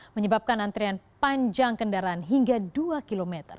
menyebabkan antrian panjang kendaraan hingga dua km